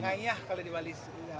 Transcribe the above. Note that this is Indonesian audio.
ngyayah kalau di bali